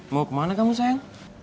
mau kemana kamu sayang